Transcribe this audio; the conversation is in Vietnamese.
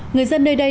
người dân nơi đây